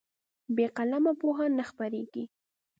بې قلمه پوهه نه خپرېږي.